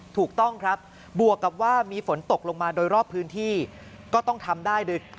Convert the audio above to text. ถูกต้องครับบวกกับว่ามีฝนตกลงมาโดยรอบพื้นที่ก็ต้องทำได้โดย